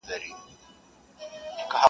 بل يې ورته وايي چي بايد خبره پټه پاته سي.